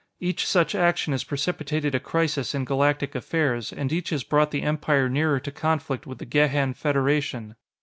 Each such action has precipitated a crisis in Galactic affairs, and each has brought the Empire nearer to conflict with the Gehan Federation.